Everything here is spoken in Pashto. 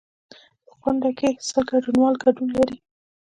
په غونډه کې سل ګډونوال ګډون لري.